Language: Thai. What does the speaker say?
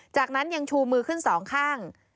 จากนั้นยังชูมือขึ้นสองข้าง